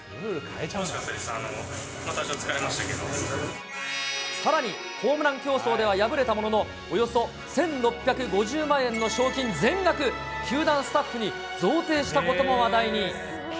楽しかったです、疲れましたさらにホームラン競争では敗れたものの、およそ１６５０万円の賞金全額球団スタッフに贈呈したことも話題に。